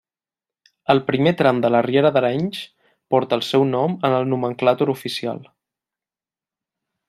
El primer tram de la Riera d'Arenys porta el seu nom en el nomenclàtor oficial.